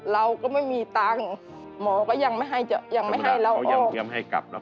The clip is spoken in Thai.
เราก็ไม่มีตังค์หมอก็ยังไม่ให้เราออก